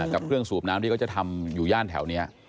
กับเครื่องสูบน้ำที่เขาจะทำอยู่ย่านแถวนี้